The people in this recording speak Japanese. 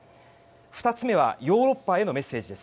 ２つ目はヨーロッパへのメッセージです。